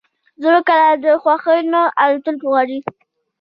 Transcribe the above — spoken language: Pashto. زړه کله د خوښۍ نه الوتل غواړي.